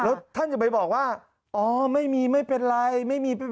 แล้วท่านจะไปบอกว่าอ๋อไม่มีไม่เป็นไร